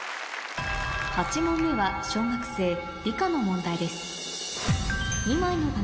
８問目は小学生理科の問題です